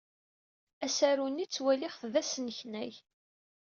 Asaru-nni ttwaliɣ-t d asneknay.